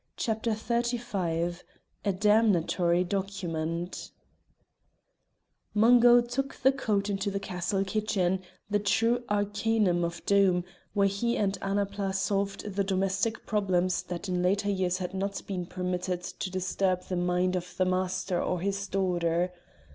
CHAPTER XXXV A DAMNATORY DOCUMENT Mungo took the coat into the castle kitchen, the true arcanum of Doom, where he and Annapla solved the domestic problems that in later years had not been permitted to disturb the mind of the master or his daughter.